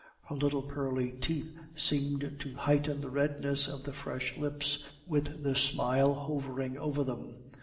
Her little pearly teeth seemed to heighten the redness of the fresh lips with the smile hovering over them.